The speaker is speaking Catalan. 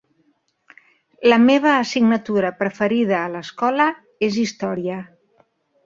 La meva assignatura preferida a l'escola és història.